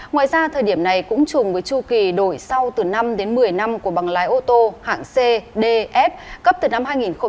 ngoài ra thời điểm này cũng chùng với chu kỳ đổi sau từ năm đến một mươi năm của bằng lái ô tô hãng c d f cấp từ năm hai nghìn một mươi ba